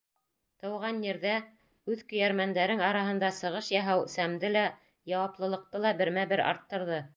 Тыуған ерҙә, үҙ көйәрмәндәрең араһында сығыш яһау сәмде лә, яуаплылыҡты ла бермә-бер арттырҙы.